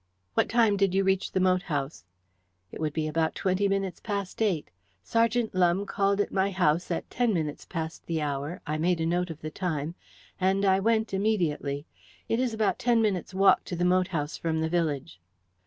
"What time did you reach the moat house?" "It would be about twenty minutes past eight. Sergeant Lumbe called at my house at ten minutes past the hour I made a note of the time and I went immediately. It is about ten minutes' walk to the moat house from the village."